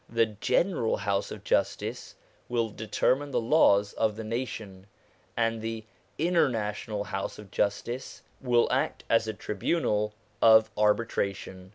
The General House of Justice will determine the laws of the nation, and the International House of Justice will act as a tribunal of arbitration.